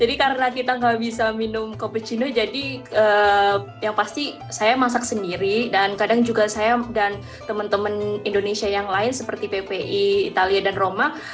jadi karena kita nggak bisa minum cappuccino jadi yang pasti saya masak sendiri dan kadang juga saya dan teman teman indonesia yang lain seperti ppi italia dan roma